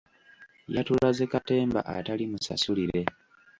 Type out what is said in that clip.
Yatulaze katemba atali musasulire.